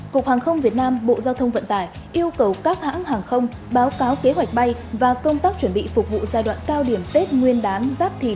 cục hàng không việt nam bộ giao thông vận tải yêu cầu các hãng hàng không báo cáo kế hoạch bay và công tác chuẩn bị phục vụ giai đoạn cao điểm tết nguyên đán giáp thìn hai nghìn hai mươi bốn